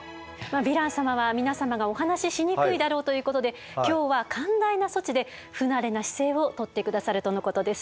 ヴィラン様は皆様がお話ししにくいだろうということで今日は寛大な措置で不慣れな姿勢をとって下さるとのことです。